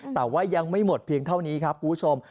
แต่ว่ายังไม่หมดเพียงเท่านี้ครับคุณผู้ชม